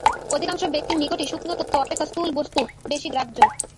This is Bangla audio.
অধিকাংশ ব্যক্তির নিকটই সূক্ষ্ম তত্ত্ব অপেক্ষা স্থূল বস্তু বেশী গ্রাহ্য।